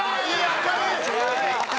明るい！